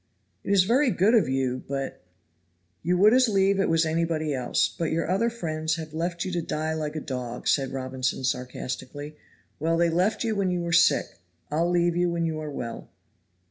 "It is very good of you, but " "You would as lieve it was anybody else; but your other friends have left you to die like a dog," said Robinson sarcastically. "Well, they left you when you were sick I'll leave you when you are well."